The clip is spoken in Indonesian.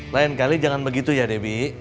lain kali jangan begitu ya debbie